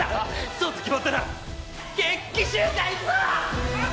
そうと決まったら決起集会行くぞ！